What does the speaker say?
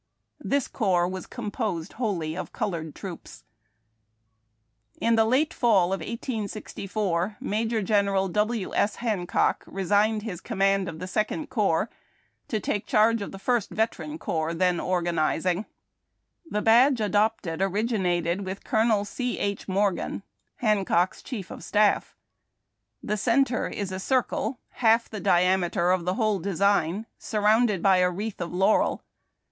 This corps was composed wlioU}^ of colored troops. In the late fall of 1864, Major Genei al W. S. Hancock re signed his command of the Second Corps to take charge (JOEPIS AND COUPS BADGES. 267 of the First Veteran Corps, then organizing. The badge adopted originated with Colonel C. H. Morgan, Hancock's chief of staff. The centre is a circle half the diameter of the whole de sign, surrounded by a wreath of laurel.